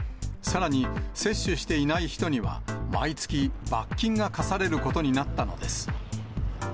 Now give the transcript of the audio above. さらに接種していない人には、毎月、罰金が科されることになったのです。